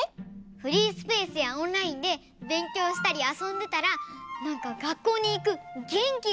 フリースペースやオンラインでべんきょうしたりあそんでたらなんかがっこうにいくげんきがでてきた！